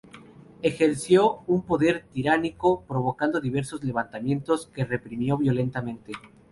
Ejerció un poder tiránico, provocando diversos levantamientos, que reprimió violentamente.